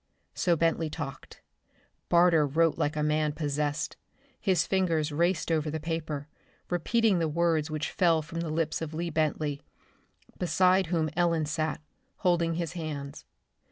So Bentley talked. Barter wrote like a man possessed. His fingers raced over the paper, repeating the words which fell from the lips of Lee Bentley, beside whom Ellen sat, holding his hands.